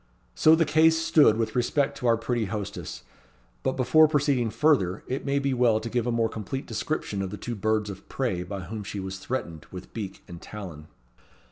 So the case stood with respect to our pretty hostess; but, before proceeding further, it may be well to give a more complete description of the two birds of prey by whom she was threatened with beak and talon.